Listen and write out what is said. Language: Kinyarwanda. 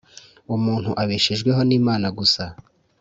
Umuntu abeshejweho nImana gusa